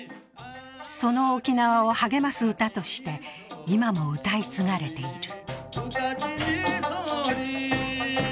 その沖縄を励ます歌として、今も歌い継がれている。